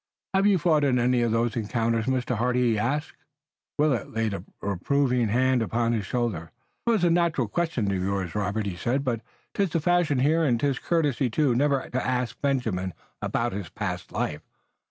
"Have you fought in any of those encounters, Mr. Hardy?" he asked. Willet laid a reproving hand upon his shoulder. "'Twas a natural question of yours, Robert," he said, "but 'tis the fashion here and 'tis courtesy, too, never to ask Benjamin about his past life.